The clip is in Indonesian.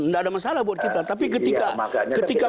tidak ada masalah buat kita tapi ketika